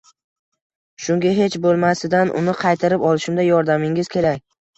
Shunga kech bo`lmasidan, uni qaytarib olishimda yordamingiz kerak